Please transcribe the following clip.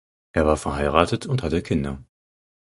Er war verheiratet und hatte Kinder.